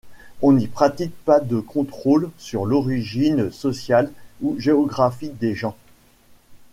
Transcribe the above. On n'y pratique pas de contrôle sur l'origine sociale ou géographique des gens.